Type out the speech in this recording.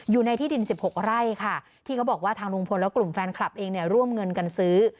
อยู่ในที่ดิน๑๖ไร่ค่ะที่เขาบอกว่าทางลุงพลและกลุ่มแฟนคลับเองเนี่ยร่วมเงินกันซื้อ